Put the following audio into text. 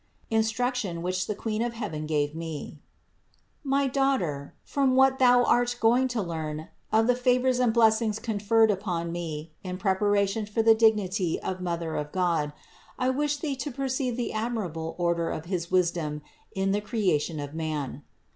INSTRUCTION WHICH THE QUEEN OF HEAVEN GAVE ME. 24. My daughter, from what thou art going to learn of the favors and blessings conferred upon me in prepa ration for the dignity of Mother of God, I wish thee to perceive the admirable order of his wisdom in the cre ation of man.